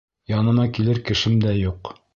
Яныма килер кешем дә юҡ.